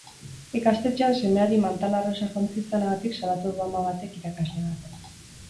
Ikastetxean semeari mantal arrosa jantzi izanagatik salatu du ama batek irakasle bat.